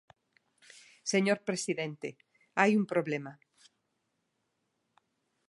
Señor presidente, hai un problema.